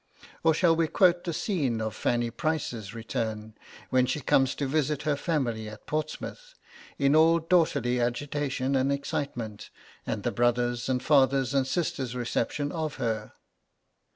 Or shall we quote the scene of Fanny Price's return when she comes to visit her family at Portsmouth; in all daughterly agitation and excitement, and the brother's and father's and sister's reception of her....